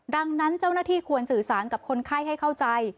ดังนั้นเจ้าหน้าที่ควรสื่อสารกับคนไข้ให้เข้าใจ